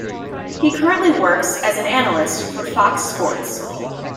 He currently works as an analyst for Fox Sports.